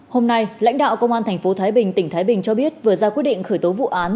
hôm nay lãnh đạo công an tp thái bình tỉnh thái bình cho biết vừa ra quyết định khởi tố vụ án